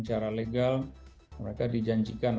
cara legal mereka dijanjikan